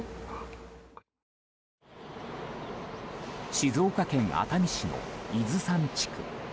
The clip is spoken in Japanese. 静岡県熱海市の伊豆山地区。